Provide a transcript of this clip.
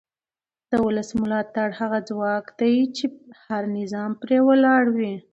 د ولس ملاتړ هغه ځواک دی چې هر نظام پرې ولاړ وي